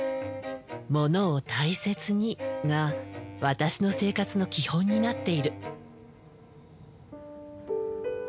「ものを大切に」が私の生活の基本になっている。